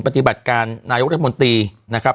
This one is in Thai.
ปฏิบัติการนายกรัฐมนตรีนะครับ